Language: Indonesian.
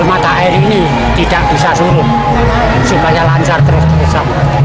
air ini tidak bisa suruh supaya lancar terus ke desa